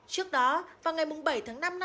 trước đó vào ngày bảy tháng năm năm hai nghìn bốn